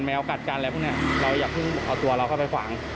แววกัดกันอะไรพวกนี้เราอย่าเพิ่งเอาตัวเราเข้าไปขวาง